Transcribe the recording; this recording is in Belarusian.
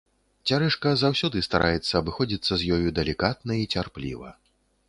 Цярэшка заўсёды стараецца абыходзіцца з ёю далікатна і цярпліва.